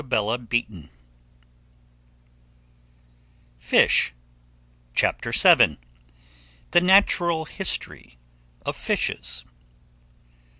FISH. CHAPTER VII. THE NATURAL HISTORY OF FISHES.